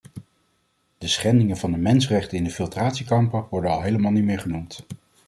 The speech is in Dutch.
De schendingen van de mensenrechten in de filtratiekampen worden al helemaal niet meer genoemd.